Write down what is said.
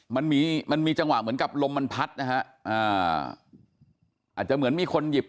มันมีมันมีจังหวะเหมือนกับลมมันพัดนะฮะอ่าอาจจะเหมือนมีคนหยิบ